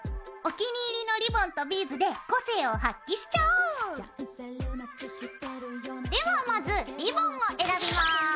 お気に入りのリボンとビーズで個性を発揮しちゃおう！ではまずリボンを選びます。